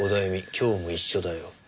今日も一緒だよ」